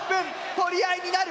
取り合いになる！